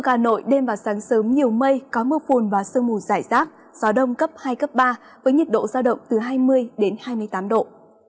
khu vực hà nội đêm và sáng sớm nhiều mây có mưa phùn và sơn mù giải rác gió đông cấp ba với nhiệt độ ra động từ hai mươi đến ba mươi độ